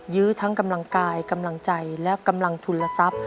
ื้อทั้งกำลังกายกำลังใจและกำลังทุนละทรัพย์